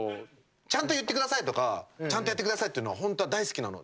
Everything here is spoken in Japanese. ちゃんと言ってくださいとかちゃんとやってくださいっていうのは本当は大好きなの。